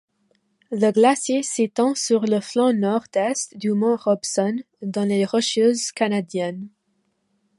Le glacier s'étend sur le flanc nord-est du mont Robson, dans les Rocheuses canadiennes.